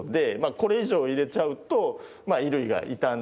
これ以上入れちゃうと衣類が傷んだり